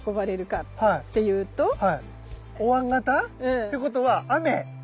ってことは雨！